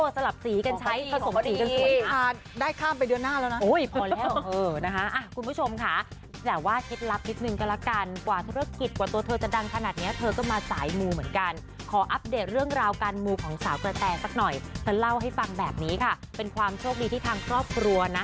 สักหน่อยเธอเล่าให้ฟังแบบนี้ค่ะเป็นความโชคดีที่ทางครอบครัวนะ